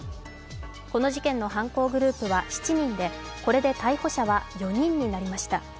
この事件の犯行グループは７人でこれで逮捕者は４人になりました。